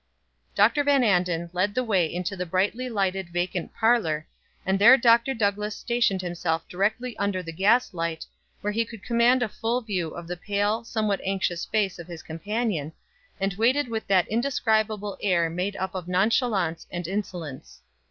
Dr. Van Anden led the way into the brightly lighted vacant parlor; and there Dr. Douglass stationed himself directly under the gas light, where he could command a full view of the pale, somewhat anxious face of his companion, and waited with that indescribable air made up of nonchalance and insolence.